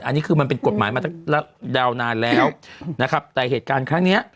อันนี้คือมันเป็นกฎหมายมาตั้งดาวนานแล้วนะครับแต่เหตุการณ์ครั้งเนี้ย